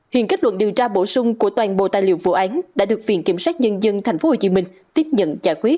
hiện kết luận điều tra bổ sung của toàn bộ tài liệu vụ án đã được viện kiểm soát nhân dân thành phố hồ chí minh tiếp nhận giải quyết